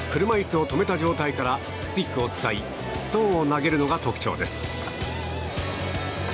車いすを止めた状態からスティックを使いストーンを投げるのが特徴です。